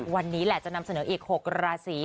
วันนี้แหละจะนำเสนออีก๖ราศี